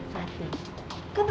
ini kesempatan bagus banget